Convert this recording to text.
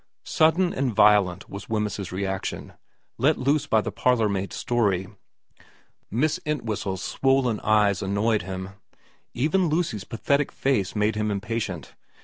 Sudden and violent was Wemyss's reaction, let loose by the parlourmaid's story. Miss Entwhistle's swollen eyes annoyed him. Even Lucy's pathetic face made him impatient.